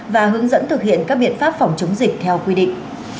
và hướng dẫn thực hiện các biện pháp phòng chống dịch theo quy định